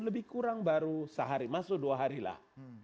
lebih kurang baru sehari masuk dua harilah